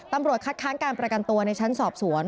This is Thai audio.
ตำรวจคัดค้างการประกันตัวในชั้นสอบสวน